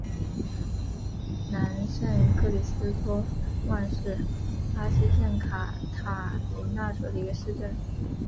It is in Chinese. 南圣克里斯托旺是巴西圣卡塔琳娜州的一个市镇。